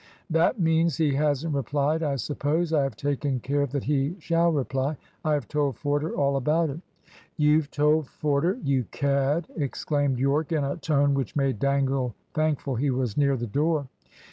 "That means he hasn't replied, I suppose. I have taken care that he shall reply. I have told Forder all about it." "You've told Forder? You cad!" exclaimed Yorke, in a tone which made Dangle thankful he was near the door.